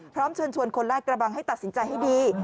พร้อมเฉินคนลาดกระบังให้ตัดสินใจให้ดี